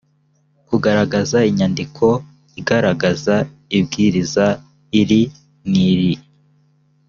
kugaragaza inyandiko igaragaza ibwiriza iri n iri